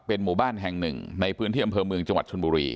หมู่บ้านแห่งหนึ่งในพื้นที่อำเภอเมืองจังหวัดชนบุรี